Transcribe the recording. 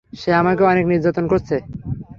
সে আমাকে অনেক নির্যাতন করছে।